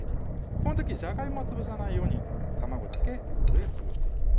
この時じゃがいもは潰さないように卵だけここで潰していきます